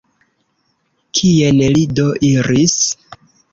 Kien li do iris?